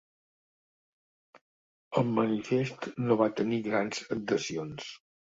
El manifest no va tenir grans adhesions.